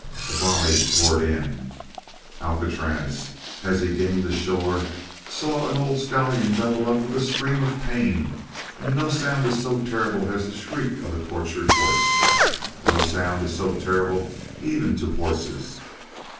A volley poured in. Alcatraz, as he gained the shore, saw an old stallion double up with a scream of pain and no sound is so terrible as the shriek of a tortured horse. No sound is so terrible even to horses.